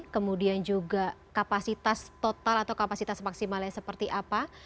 kemudian juga kapasitas total atau kapasitas maksimalnya seperti apa